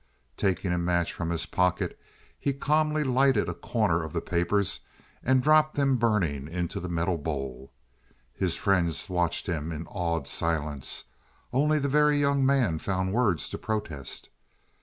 Taking a match from his pocket he calmly lighted a corner of the papers and dropped them burning into the metal bowl. His friends watched him in awed silence; only the Very Young Man found words to protest.